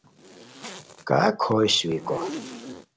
کا کھوئے سوئیکو